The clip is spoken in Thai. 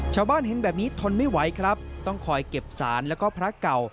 ชาวบ้านเห็นแบบนี้ทนไม่ไหวครับต้องคอยเก็บศาลแล้วก็พระเก่า